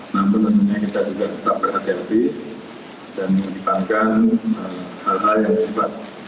namun tentunya kita juga tetap berhati hati dan mengedepankan hal hal yang bersifat